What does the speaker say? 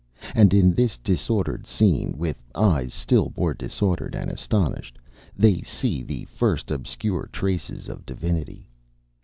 And in this disordered scene, with eyes still more disordered and astonished, they see the first obscure traces of divinity....